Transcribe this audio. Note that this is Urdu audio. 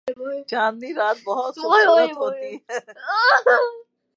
چاندنی رات بہت خوبصورت ہوتی ہے۔